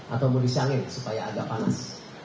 atau mau disangin supaya agak panas